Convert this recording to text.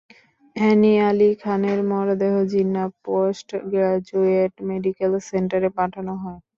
Annie Ali খানের মরদেহ Jinnah post graduate medical সেন্টারে পাঠানো হয়।